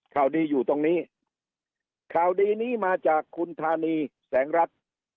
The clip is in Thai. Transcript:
ข่าวดีอยู่ตรงนี้ข่าวดีนี้มาจากคุณธานีแสงรัฐ